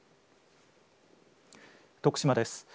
徳島です。